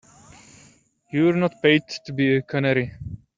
You're not paid to be a canary.